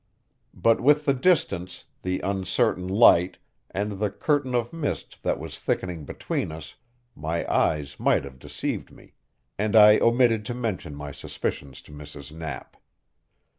But with the distance, the uncertain light, and the curtain of mist that was thickening between us, my eyes might have deceived me, and I omitted to mention my suspicions to Mrs. Knapp.